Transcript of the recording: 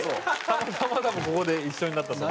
たまたま多分ここで一緒になったんだと。